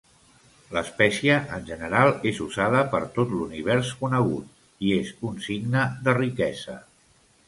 L'espècia en general és usada per tot l'Univers Conegut, i és un signe de riquesa.